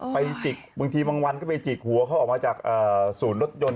จิกบางทีบางวันก็ไปจิกหัวเขาออกมาจากศูนย์รถยนต์